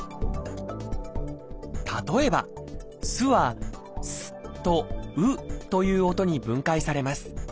例えば「す」は「Ｓ」と「Ｕ」という音に分解されます。